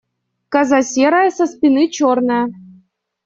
Коза серая, со спины черная.